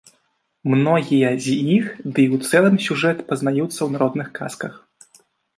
Многія з іх, ды і ў цэлым сюжэт, пазнаюцца ў народных казках.